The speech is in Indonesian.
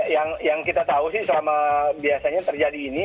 yang kita tahu sih selama biasanya terjadi ini